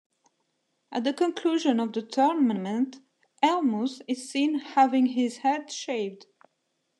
At the conclusion of the tournament, Hellmuth is seen having his head shaved.